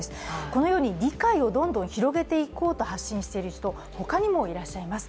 このように理解をどんどん広げていこうと発信している人、他にもいらっしゃいます。